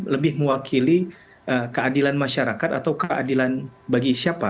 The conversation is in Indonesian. lebih mewakili keadilan masyarakat atau keadilan bagi siapa